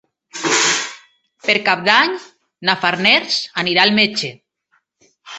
Per Cap d'Any na Farners anirà al metge.